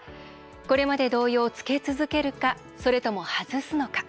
これまで同様、つけ続けるかそれとも外すのか。